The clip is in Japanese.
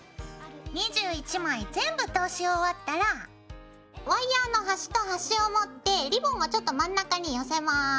２１枚全部通し終わったらワイヤーのはしとはしを持ってリボンをちょっと真ん中に寄せます。